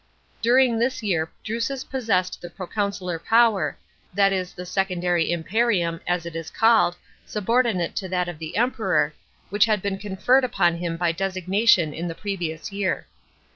During this year Drusus possessed the proconsular power — that is the secondary imperium, as it is called, subordinate to that of the Emperor — which had been conferred upon him by designation in the previous year.